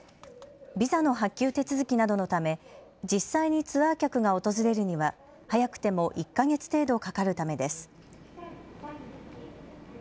ビザの発給手続きなどのため実際にツアー客が訪れるには早くても１か月程度かかるためです。